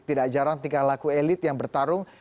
tidak jarang tingkah laku elit yang bertarung